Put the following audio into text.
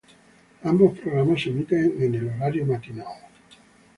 Ambos programas se emiten en el Horario Matinal.